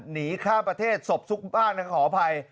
หนีข้ามประเทศศพซุกบ้านนะขออภัย